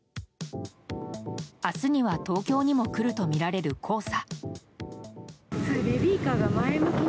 明日には東京にも来るとみられる黄砂。